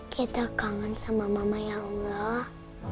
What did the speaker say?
kita kangen sama mama ya allah